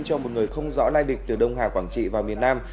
cho một người không rõ lai địch từ đông hà quảng trị và miền nam